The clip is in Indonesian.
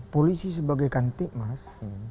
polisi sebagai kantik mas